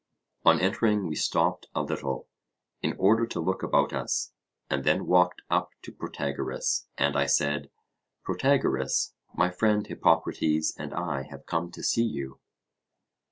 On entering we stopped a little, in order to look about us, and then walked up to Protagoras, and I said: Protagoras, my friend Hippocrates and I have come to see you.